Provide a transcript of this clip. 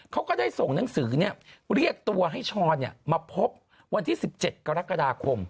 ก็ได้ส่งหนังสือเรียกตัวให้ช้อนมาพบวันที่๑๗กรกฎาคม